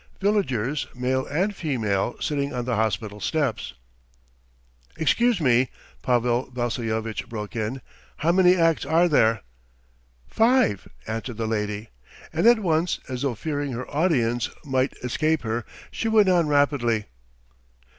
_ Villagers, male and female, sitting on the hospital steps. "Excuse me," Pavel Vassilyevitch broke in, "how many acts are there?" "Five," answered the lady, and at once, as though fearing her audience might escape her, she went on rapidly.